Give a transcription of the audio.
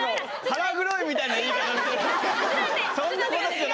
腹黒いみたいな言い方してる！